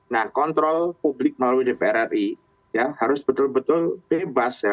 nah kontrol publik melalui dpr ri ya harus betul betul bebas ya